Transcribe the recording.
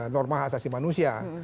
norma khasasi manusia